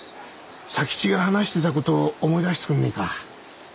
佐吉が話してた事を思い出してくんねえか。